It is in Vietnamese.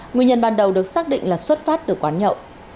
nguyên nhân ban đầu được xác định là xuất phát từ quán nhậu